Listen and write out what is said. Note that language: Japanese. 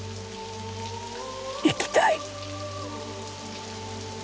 生きたい。